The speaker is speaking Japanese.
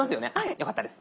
よかったです。